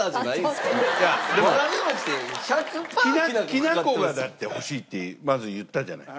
きな粉がだって欲しいってまず言ったじゃない。